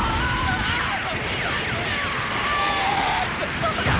どこだ？